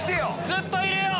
ずっといるよ！